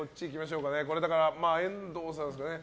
遠藤さんですかね。